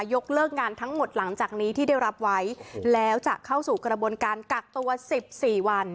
ยกเลิกงานทั้งหมดหลังจากนี้ที่ได้รับไว้แล้วจะเข้าสู่กระบวนการกักตัว๑๔วัน